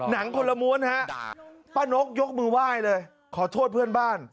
หนังคนละม้วนฮะป้านกยกมือไหว้เลยขอโทษเพื่อนบ้าน